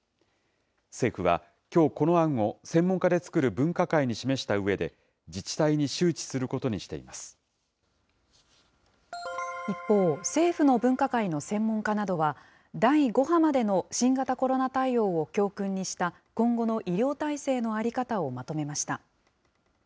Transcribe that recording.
政府は、きょうこの案を専門家で作る分科会に示したうえで自治体に周知す一方、政府の分科会の専門家などは、第５波までの新型コロナ対応を教訓にした、今後の医療体制の在り方をまとめました。